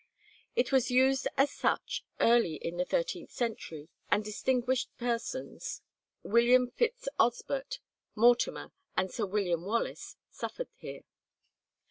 It was used as such early in the thirteenth century, and distinguished persons, William Fitzosbert, Mortimer, and Sir William Wallace suffered here.